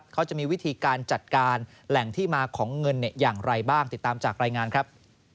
เขาจะมีวิธีการจัดการแหล่งที่มาของเงินอย่างไรบ้างติดตามจากรายงานครับ